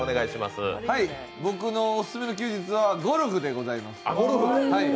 僕のオススメの休日はゴルフでございます。